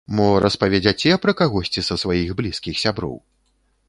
Мо распаведзяце пра кагосьці са сваіх блізкіх сяброў?